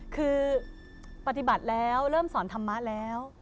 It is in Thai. คือปฏิบัติแล้วเริ่มสอนธรรมะแล้ว